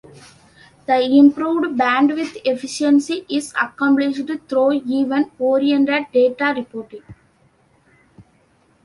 The improved bandwidth efficiency is accomplished through event oriented data reporting.